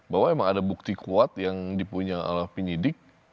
bahwa emang ada bukti kuat yang dipunya alvin yidik